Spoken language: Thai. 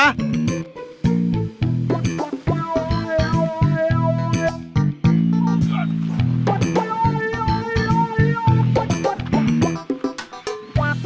อ้าว